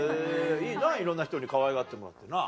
いいないろんな人にかわいがってもらってな。